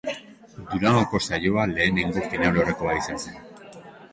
Durangoko saioa lehenengo finalaurrekoa izan zen.